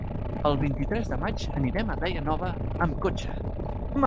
El vint-i-tres de maig anirem a Daia Nova amb cotxe.